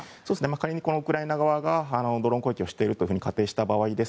仮にウクライナ側がドローン攻撃をしていると仮定した場合